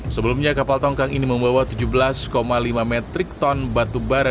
sebelumnya kapal tongkang ini membawa tujuh belas lima metrik ton batubara